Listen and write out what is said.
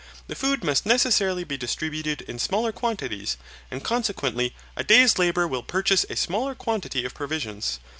The food must necessarily be distributed in smaller quantities, and consequently a day's labour will purchase a smaller quantity of provisions.